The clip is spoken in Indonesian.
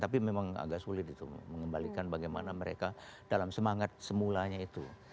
tapi memang agak sulit itu mengembalikan bagaimana mereka dalam semangat semulanya itu